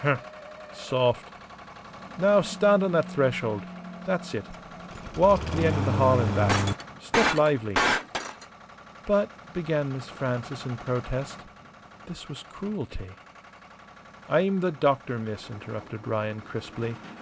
Humph. Soft. Now stand on that threshold. That's it. Walk t' the' end o' the hall an' back. Step lively." "But," began Miss Frances in protest. This was cruelty. "I'm the doctor, miss," interrupted Ryan, crisply.